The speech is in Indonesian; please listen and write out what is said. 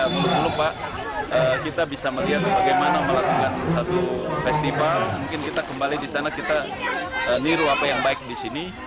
mungkin kita kembali di sana kita miru apa yang baik di sini